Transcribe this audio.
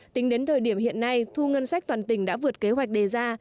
tính đến thời điểm hiện nay thu ngân sách toàn tỉnh đã vượt kế hoạch đề ra